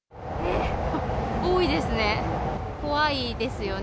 多いですね。